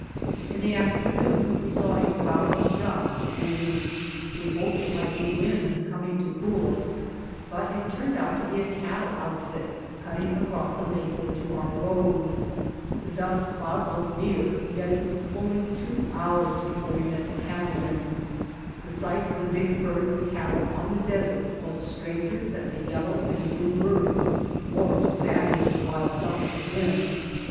In the afternoon we saw a cloud of dust mov ing. We hoped it might be wind coming to cool us, but it turned out to be a cattle outfit cutting across the mesa to our road. The dust cloud looked near, yet it was fully two hours before we The Dry Camp met the cattlemen. The sight of the big herd of cattle on the desert was stranger than the yellow and blue birds or the fabulous wild ducks had been.